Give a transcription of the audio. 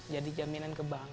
jadi jaminan ke bank